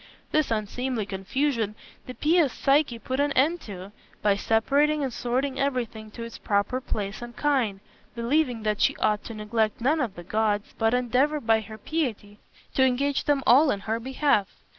This unseemly confusion the pious Psyche put an end to, by separating and sorting everything to its proper place and kind, believing that she ought to neglect none of the gods, but endeavor by her piety to engage them all in her behalf.